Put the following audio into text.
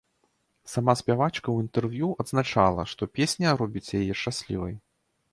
Сама спявачка ў інтэрв'ю адзначала, што песня робіць яе шчаслівай.